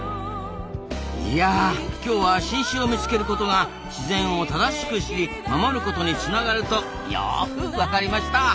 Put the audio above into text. いや今日は新種を見つけることが自然を正しく知り守ることにつながるとよく分かりました。